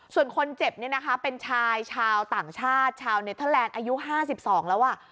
ส่วนคนเจ็บเนี่ยนะคะเป็นชายชาวต่างชาติชาวเน็ตเทอร์แลนด์อายุ๕๒แล้วอ่ะ